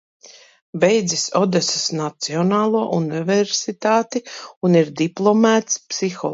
Beidzis Odesas Nacionālo universitāti un ir diplomēts psihologs.